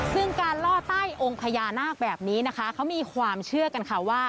ซึ่งการล่อใต้องค์พญานาคแบบนี้นะคะเขามีความเชื่อกันค่ะว่า